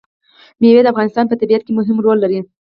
مېوې د افغانستان په طبیعت کې مهم رول لري.